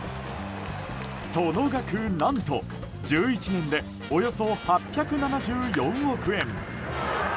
その額何と１１年でおよそ８７４億円。